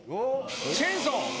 チェーンソー！